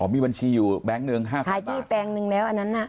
อ๋อมีบัญชีอยู่แบงค์หนึ่งห้าสิบบาทขายที่แบงค์หนึ่งแล้วอันนั้นน่ะ